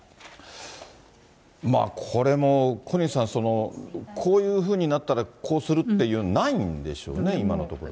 これも小西さん、こういうふうになったら、こうするっていうの、ないんでしょうね、今のところね。